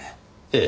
ええ。